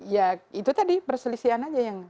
ya itu tadi perselisihan aja yang